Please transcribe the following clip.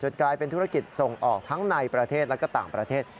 กลายเป็นธุรกิจส่งออกทั้งในประเทศและก็ต่างประเทศ